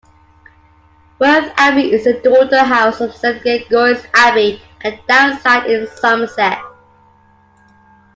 Worth Abbey is a daughter house of Saint Gregory's Abbey, at Downside, in Somerset.